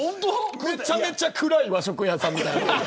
めちゃめちゃ暗い和食屋さんみたいな所で。